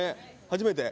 初めて？